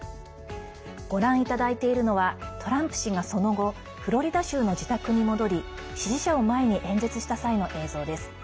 ご覧いただいているのはトランプ氏が、その後フロリダ州の自宅に戻り支持者を前に演説した際の映像です。